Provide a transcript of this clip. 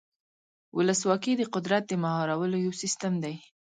ولسواکي د قدرت د مهارولو یو سیستم دی.